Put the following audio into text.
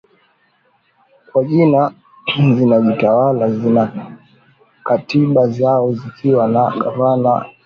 kwa jina zinajitawala zina katiba zao zikiwa na gavana na bunge